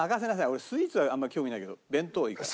俺スイーツはあんまり興味ないけど弁当はいいから。